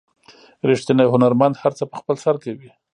ریښتینی هنرمند هر څه په خپل سر کوي.